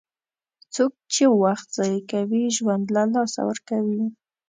څوک چې وخت ضایع کوي، ژوند له لاسه ورکوي.